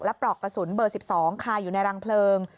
ปลอกกระสุนเบอร์๑๒คาอยู่ในรังเพลิง